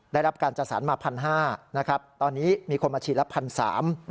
ได้รับการจัดสรรมา๑๕๐๐ตอนนี้มีคนมาฉีดละ๑๓๐๐